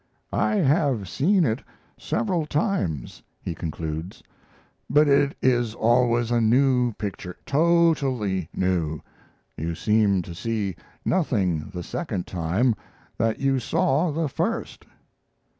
"I have seen it several times," he concludes, "but it is always a new picture totally new you seem to see nothing the second time that you saw the first."